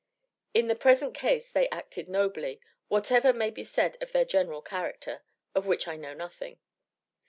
In the present case they acted nobly, whatever may be said of their general character, of which I know nothing.